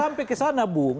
sampai ke sana bung